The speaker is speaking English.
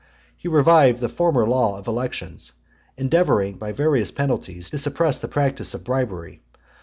He revived the former law of elections, endeavouring, by various penalties, to suppress the practice of bribery.